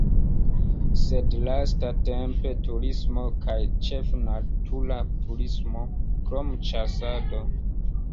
Sed lastatempe turismo kaj ĉefe natura turismo, krom ĉasado.